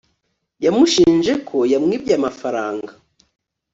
yamushinje ko yamwibye amafaranga